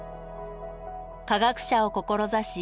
科学者を志し